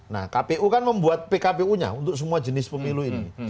nah kpu kan membuat pkpu nya untuk semua jenis pemilu ini